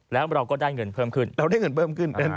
แล้วเราก็ได้เงินเพิ่มขึ้น